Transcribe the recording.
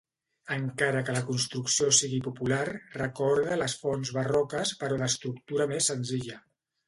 Encara que la construcció sigui popular recorda a les fonts barroques però d'estructura més senzilla.